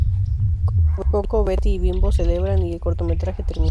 Koko, Betty y Bimbo celebran y el cortometraje termina.